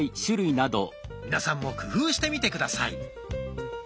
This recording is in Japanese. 皆さんも工夫してみて下さい。